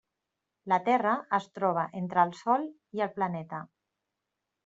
La Terra es troba entre el Sol i el planeta.